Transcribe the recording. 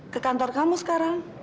ke kantor kamu sekarang